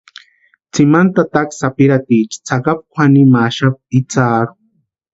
Tsimani tataka sapirhatiecha tsakapu kwʼanimaxapti itsarhu.